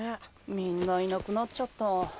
みんないなくなっちゃった。